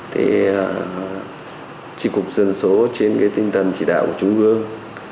thì chỉ cục dân số trên tinh thần chỉ đạo của trung ương